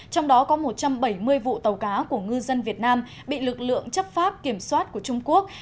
trong đó có một trăm bảy mươi vụ tàu cá của ngư dân việt nam bị lực lượng chấp pháp kiểm soát của trung quốc